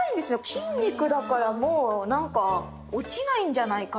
筋肉だからもうなんか落ちないんじゃないか？